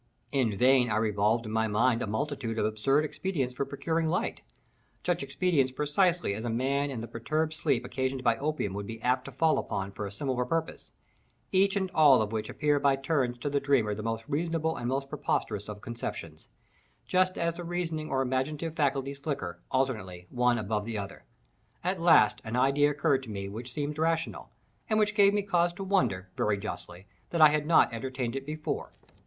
In vain I revolved in my brain a multitude of absurd expedients for procuring light—such expedients precisely as a man in the perturbed sleep occasioned by opium would be apt to fall upon for a similar purpose—each and all of which appear by turns to the dreamer the most reasonable and the most preposterous of conceptions, just as the reasoning or imaginative faculties flicker, alternately, one above the other. At last an idea occurred to me which seemed rational, and which gave me cause to wonder, very justly, that I had not entertained it before.